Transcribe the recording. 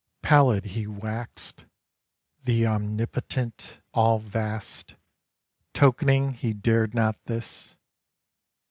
Pallid he waxed, the Omnipotent all vast, Tokening he dared not this.